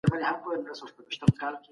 که په کور کې زده کړه وي نو پوهه نه کمیږي.